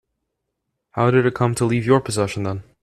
How did it come to leave your possession then?